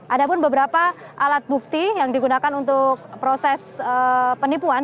ada pun beberapa alat bukti yang digunakan untuk proses penipuan